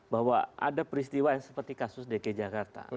bahwa ada peristiwa yang seperti kasus dki jakarta